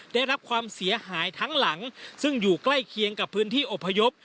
ได้รับความเสียหายทั้งหลังซึ่งอยู่ใกล้เคียงกับพื้นที่อพยพ